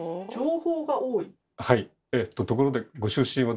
はい。